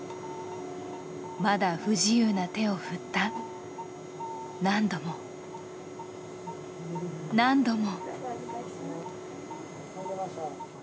まだ不自由な手を振った、何度も、何度も。